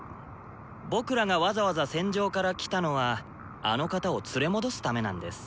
僕らがわざわざ戦場から来たのはあの方を連れ戻すためなんです。